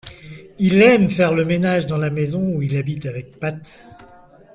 Il aime faire le ménage dans la maison où il habite avec Pat.